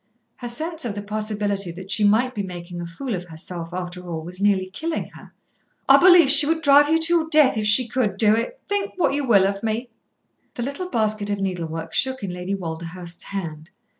her sense of the possibility that she might be making a fool of herself after all was nearly killing her. "I believe she would drive you to your death if she could do it, think what you will of me." The little basket of needlework shook in Lady Walderhurst's hand.